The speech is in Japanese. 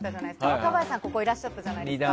若林さんが２段目にいらっしゃったじゃないですか。